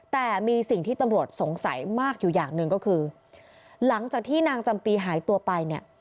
แต่มีสิ่งที่ตำรวจสงสัยมากอยู่อย่างหนึ่งก็คือหลังจากที่นางจำปีหายตัวไปเนี่ย